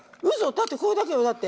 だってこれだけよだって。